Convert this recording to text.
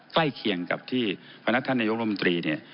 ใกล้เคียงกับที่พนักท่านนายกรมตรีเนี่ย